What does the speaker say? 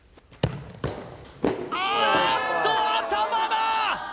あーっと頭だ！